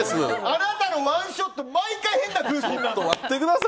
あなたのワンショット毎回変な空気になる。